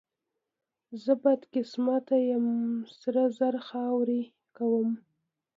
زه بدقسمته یم، سره زر خاورې کوم.